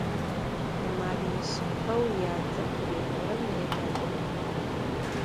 Vumar yişsıpkheu yate khıri'orem yêde'u.